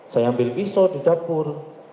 saya ambil pisau di dapur